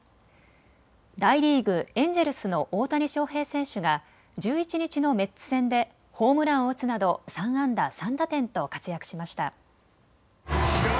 大リーグ、エンジェルスの大谷翔平選手が１１日のメッツ戦でホームランを打つなど３安打３打点と活躍しました。